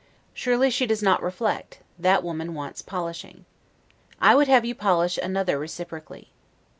Surely she does not reflect, that woman wants polishing. I would have you polish one another reciprocally.